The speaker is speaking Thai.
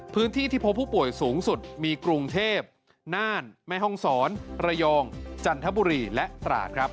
ที่พบผู้ป่วยสูงสุดมีกรุงเทพน่านแม่ห้องศรระยองจันทบุรีและตราดครับ